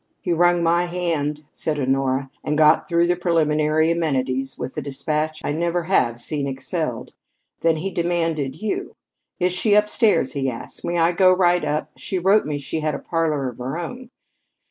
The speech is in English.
"He wrung my hand," said Honora, "and got through the preliminary amenities with a dispatch I never have seen excelled. Then he demanded you. 'Is she upstairs?' he asked. 'May I go right up? She wrote me she had a parlor of her own.'